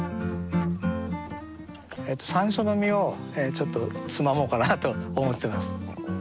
さんしょうの実をちょっとつまもうかなと思ってます。